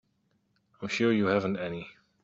I'm sure you haven't any.